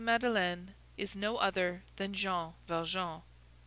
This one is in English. Madeleine is no other than Jean Valjean.